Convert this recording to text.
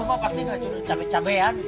kamu pasti gak judul cabe cabean